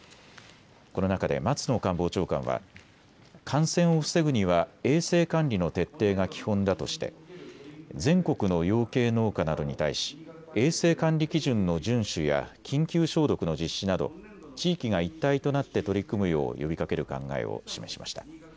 この中で松野官房長官は感染を防ぐには衛生管理の徹底が基本だとして全国の養鶏農家などに対し衛生管理基準の順守や緊急消毒の実施など地域が一体となって取り組むよう呼びかける考えを示しました。